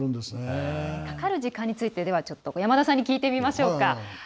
かかる時間について山田さんに聞いてみましょうか。